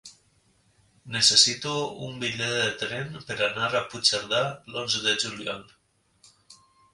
Necessito un bitllet de tren per anar a Puigcerdà l'onze de juliol.